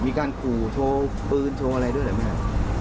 มีการขู่โทรปืนโทรอะไรด้วยหรือไม่